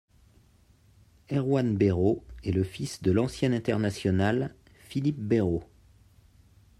Erwan Bérot est le fils de l'ancien international Philippe Bérot.